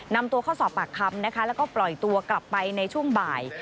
นำตัวเข้าสอบปากคำนะคะแล้วก็ปล่อยตัวกลับไปในช่วงบ่าย